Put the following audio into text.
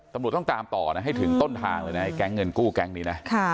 ตำรวจต้องตามต่อนะให้ถึงต้นทางเลยนะไอแก๊งเงินกู้แก๊งนี้นะ